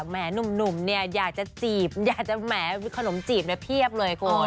แหม่หนุ่มเนี่ยอยากจะจีบแหม่ขนมจีบมาเพียบเลย